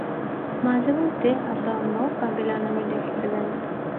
মাঝেমধ্যে আব্বা–আম্মাও কাবিলা নামে ডেকে ফেলেন...